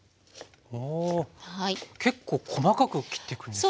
お結構細かく切っていくんですね。